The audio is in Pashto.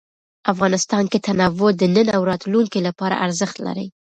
افغانستان کې تنوع د نن او راتلونکي لپاره ارزښت لري.